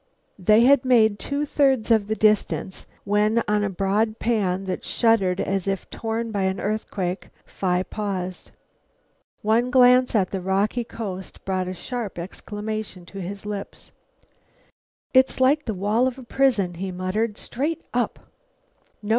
They had made two thirds of the distance when, on a broad pan that shuddered as if torn by an earthquake, Phi paused. One glance at the rocky coast brought a sharp exclamation to his lips. "It's like the wall of a prison," he muttered; "straight up.